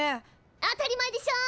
当たり前でしょ！